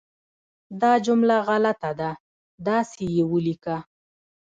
دا جمله غلطه ده، داسې یې ولیکه